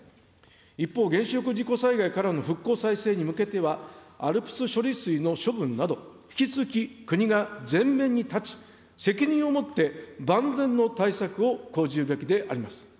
一方、原子力事故災害からの復興・再生に向けては、ＡＬＰＳ処理水の処分など、引き続き国が前面に立ち、責任を持って、万全の対策を講じるべきであります。